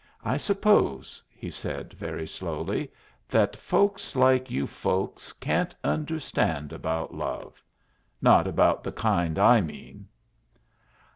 "I suppose," he said, very slowly, "that folks like you folks can't understand about love not about the kind I mean."